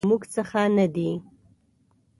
خو له موږ څخه نه دي .